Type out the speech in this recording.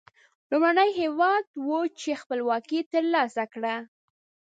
لومړنی هېواد و چې خپلواکي تر لاسه کړه.